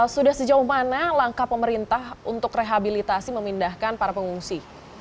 sudah sejauh mana langkah pemerintah untuk rehabilitasi memindahkan para pengungsi